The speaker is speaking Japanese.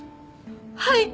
はい！